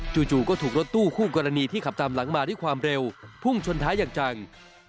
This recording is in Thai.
จู่ก็ถูกรถตู้คู่กรณีที่ขับตามหลังมาด้วยความเร็วพุ่งชนท้ายอย่างจัง